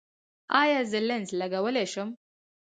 ایا زه لینز لګولی شم؟